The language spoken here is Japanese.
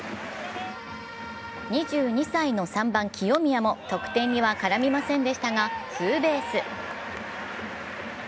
２２歳の３番・清宮も得点には絡みませんでしたがツーベース。